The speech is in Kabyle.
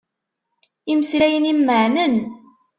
Imeslayen-im meɛnen.